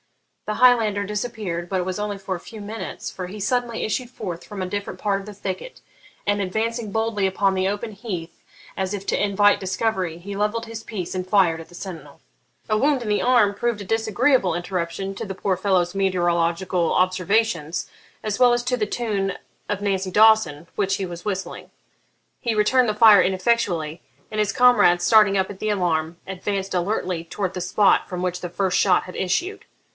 The Highlander disappeared, but it was only for a few minutes, for he suddenly issued forth from a different part of the thicket, and, advancing boldly upon the open heath as if to invite discovery, he levelled his piece and fired at the sentinel. A wound in the arm proved a disagreeable interruption to the poor fellow's meteorological observations, as well as to the tune of 'Nancy Dawson,' which he was whistling. He returned the fire ineffectually, and his comrades, starting up at the alarm, advanced alertly towards the spot from which the first shot had issued.